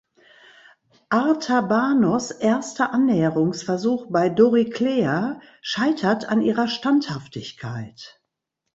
Artabanos erster Annäherungsversuch bei Doriclea scheitert an ihrer Standhaftigkeit.